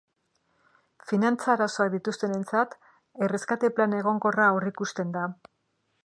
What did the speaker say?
Finantza arazoak dituztenentzat, erreskate plan egonkorra aurreikusten da.